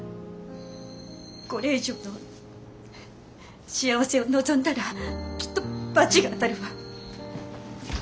これ以上の幸せを望んだらきっと罰が当たるわ。